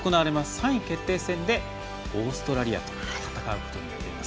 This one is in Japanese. ３位決定戦でオーストラリアと戦います。